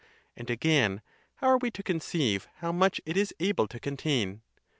And, again, how are we to conceive how much it is able to contain?